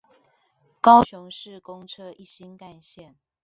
高雄市公車一心幹線